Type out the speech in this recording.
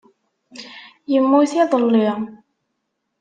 Yemmut iḍelli.